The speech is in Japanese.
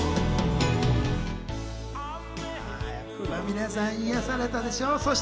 皆さん癒されたでしょう？